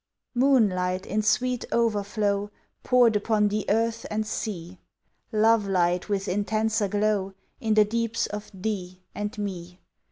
Moonlight in sweet overflow Poured upon the earth and sea! Lovelight with intenser glow In the deeps of thee and me!